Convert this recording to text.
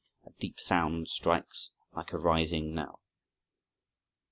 a deep sound strikes like a rising knell!"